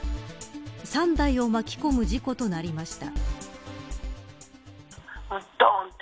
３台を巻き込む事故となりました。